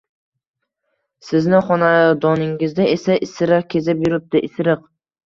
Sizni xonadoningazda esa... isiriq kezib yuribdi, isiriq!